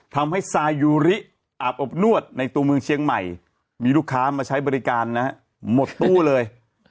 ทำให้ซายูริอาบอบนวดในตัวเมืองเชียงใหม่มีลูกค้ามาใช้บริการนะฮะหมดตู้เลย